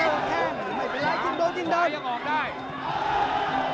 โหแก้งไม่เป็นไรยิ่งโดนยิ่งเดิน